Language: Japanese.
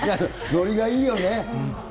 のりがいいよね。